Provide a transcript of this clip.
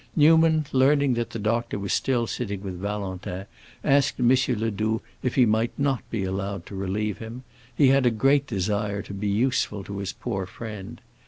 Newman, learning that the doctor was still sitting with Valentin, asked M. Ledoux if he might not be allowed to relieve him; he had a great desire to be useful to his poor friend.